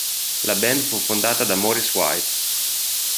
La band fu fondata da Maurice White.